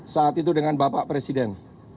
saat itu dengan bapak presiden